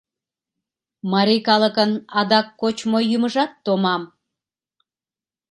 Марий калыкын адак кочмо-йӱмыжат томам...